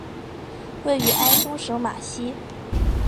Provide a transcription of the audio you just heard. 位于埃松省马西。